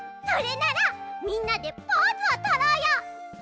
それならみんなでポーズをとろうよ！